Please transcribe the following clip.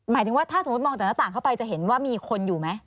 หมายถึงว่าถ้าสมมุติมองจากหน้าต่างเข้าไปจะเห็นว่ามีคนอยู่ไหม